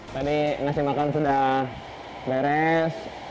tadi nasi makan sudah beres